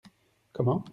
Comment ?